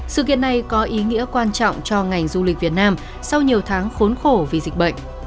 sự kiện này có ý nghĩa quan trọng cho ngành du lịch việt nam sau nhiều tháng khốn khổ vì dịch bệnh